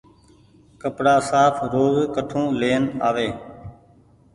ڪپڙآ ساڦ روز ڪٺو لين آوي۔